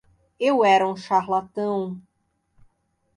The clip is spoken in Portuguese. Eu era um charlatão...